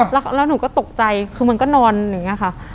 แล้วหนูก็ตกใจคือมันก็นอนอย่างนี้ค่ะ